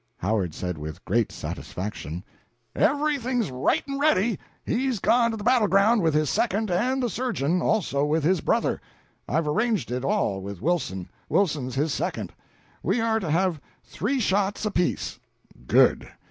Howard said, with great satisfaction: "Everything's right and ready. He's gone to the battle ground with his second and the surgeon also with his brother. I've arranged it all with Wilson Wilson's his second. We are to have three shots apiece." "Good!